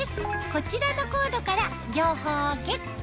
こちらのコードから情報をゲット